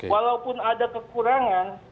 walaupun ada kekurangan